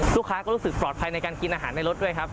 ลูกค้าก็รู้สึกปลอดภัยในการกินอาหารในรถด้วยครับ